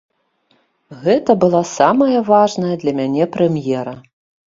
Гэта была самая важная для мяне прэм'ера.